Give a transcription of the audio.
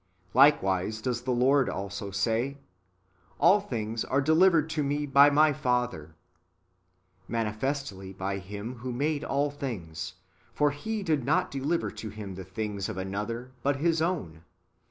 ^ Likewise does the Lord also say :" All things are delivered to me by my Father;"^ manifestly by Him who made all thino;s : for He did not deliver to Him the thino s of another, but His own.